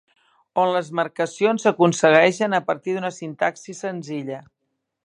On les marcacions s'aconsegueixen a partir d'una sintaxi senzilla.